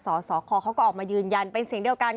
สสคเขาก็ออกมายืนยันเป็นเสียงเดียวกัน